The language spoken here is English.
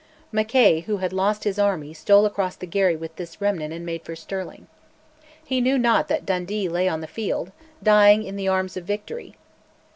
Mackay, who had lost his army, stole across the Garry with this remnant and made for Stirling. He knew not that Dundee lay on the field, dying in the arms of Victory.